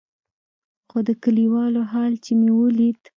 خو د کليوالو حال چې مې وليد.